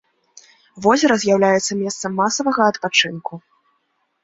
Возера з'яўляецца месцам масавага адпачынку.